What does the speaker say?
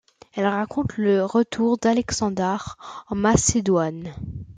Elle raconte le retour d'Aleksandar en Macédoine.